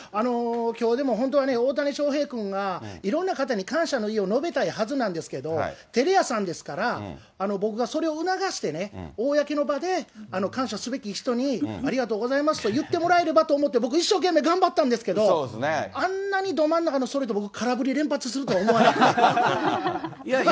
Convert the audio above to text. きょうでも本当はね、大谷翔平君がいろんな方に感謝の意を述べたいはずなんですけど、てれ屋さんですから、僕がそれを促して公の場で、感謝すべき人にありがとうございますと言ってもらえればと思って僕、一生懸命頑張ったんですけど、あんなにど真ん中のストレートを僕、空振り連発するとは思わなかったです。